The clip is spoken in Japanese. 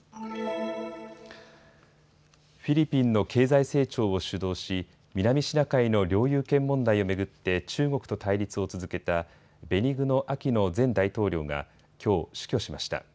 フィリピンの経済成長を主導し南シナ海の領有権問題を巡って中国と対立を続けたベニグノ・アキノ前大統領がきょう死去しました。